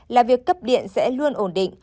là việc cấp điện sẽ luôn ổn định